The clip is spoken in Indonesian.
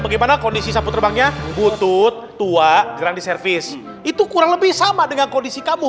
bagaimana kondisi sapu terbangnya butut tua sedang diservis itu kurang lebih sama dengan kondisi kamu